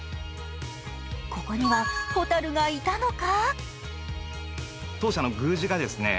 ここにはホタルがいたのか？